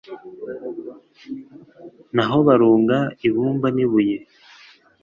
naho barunga ibumba n'ibuye